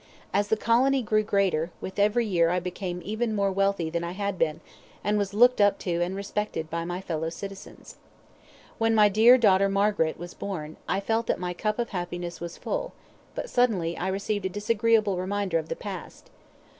As the colony grew greater, with every year I became even more wealthy than I had been, and was looked up to and respected by my fellow citizens. When my dear daughter Margaret was born, I felt that my cup of happiness was full, but suddenly I received a disagreeable reminder of the past.